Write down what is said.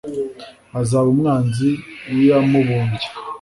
azaba umwanzi w`iyamubumbye